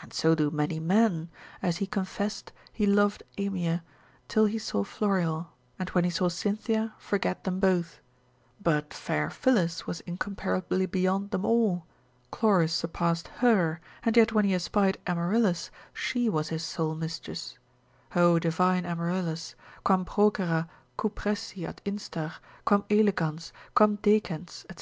And so do many men; as he confessed, he loved Amye, till he saw Florial, and when he saw Cynthia, forgat them both: but fair Phillis was incomparably beyond, them all, Cloris surpassed her, and yet when he espied Amaryllis, she was his sole mistress; O divine Amaryllis: quam procera, cupressi ad instar, quam elegans, quam decens, &c.